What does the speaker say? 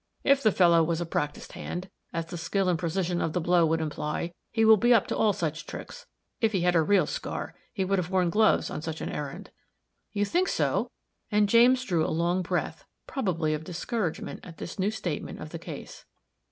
If the fellow was a practiced hand, as the skill and precision of the blow would imply, he will be up to all such tricks. If he had a real scar, he would have worn gloves on such an errand." "You think so?" and James drew a long breath, probably of discouragement at this new statement of the case.